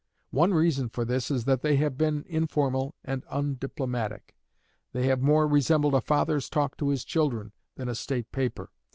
One reason for this is that they have been informal and undiplomatic. They have more resembled a father's talk to his children than a state paper.